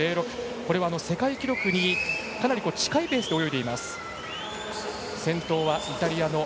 これは世界記録にかなり近いペースで泳いでいます。